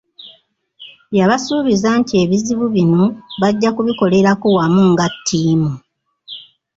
Yabasuubiza nti ebizibu bino bajja kubikolerako wamu nga ttiimu.